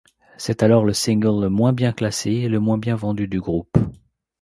C'est alors le single le moins bien classé et le moins vendu du groupe.